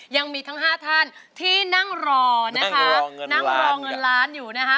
ยังมีทั้งห้าท่านที่นั่งรอนะคะนั่งรอเงินล้านอยู่นะคะ